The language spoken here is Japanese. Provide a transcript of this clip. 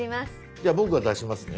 じゃあ僕が出しますね。